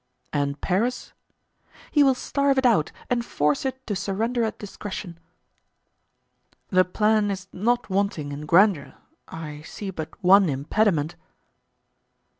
"And Paris?" "He will starve it out and force it to surrender at discretion." "The plan is not wanting in grandeur; I see but one impediment."